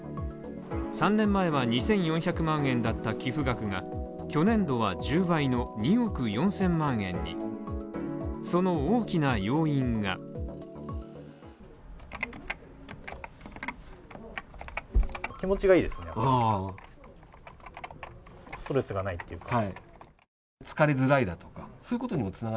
３年前は２４００万円だった寄付額が去年度は１０倍の２億４０００万円に、その大きな要因が高級キーボードです